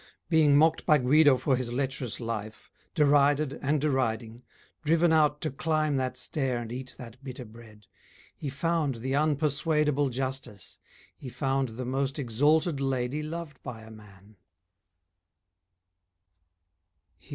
Being mocked by Guido for his lecherous life, Derided and deriding, driven out To climb that stair and eat that bitter bread, He found the unpersuadable justice, he found The most exalted lady loved by a man.